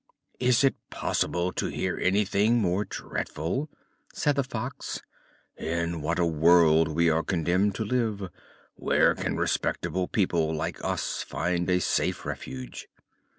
"Is it possible to hear of anything more dreadful?" said the Fox. "In what a world we are condemned to live! Where can respectable people like us find a safe refuge?"